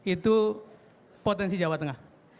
itu potensi jawa tengah